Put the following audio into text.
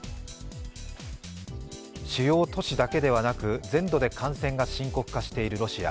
主要都市だけではなく全土で感染が深刻化しているロシア。